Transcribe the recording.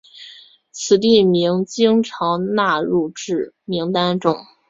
此地名经常纳入至的名单中。